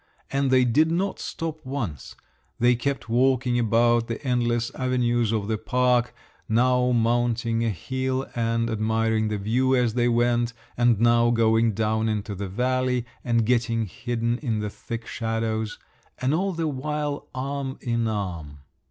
And they did not stop once; they kept walking about the endless avenues of the park, now mounting a hill and admiring the view as they went, and now going down into the valley, and getting hidden in the thick shadows,—and all the while arm in arm.